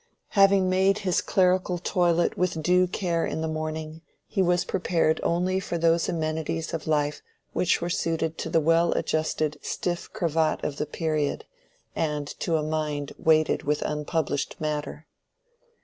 Having made his clerical toilet with due care in the morning, he was prepared only for those amenities of life which were suited to the well adjusted stiff cravat of the period, and to a mind weighted with unpublished matter.